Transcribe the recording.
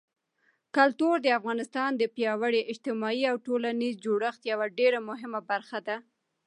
کلتور د افغانستان د پیاوړي اجتماعي او ټولنیز جوړښت یوه ډېره مهمه برخه ده.